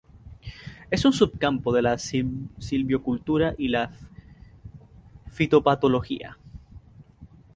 Es un subcampo de la silvicultura y la fitopatología.